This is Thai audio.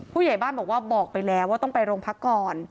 ผู้ใหญ่บ้านบอกว่าบอกไปแล้วว่าต้องไปโรงพักก่อน